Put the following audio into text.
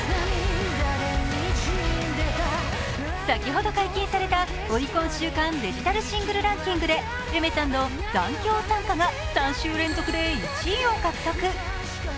先ほど解禁されたオリコン週間デジタルシングルランキングでＡｉｍｅｒさんの「残響散歌」が３週連続で１位を獲得。